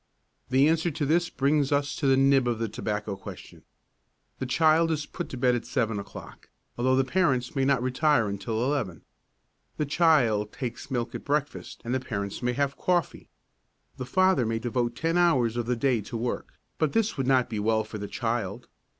The answer to this brings us to the nib of the tobacco question. The child is put to bed at seven o'clock, although the parents may not retire until eleven. The child takes milk at breakfast and the parents may have coffee. The father may devote ten hours of the day to work, but this would not be well for the child.